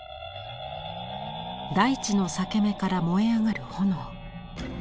大地の裂け目から燃え上がる炎。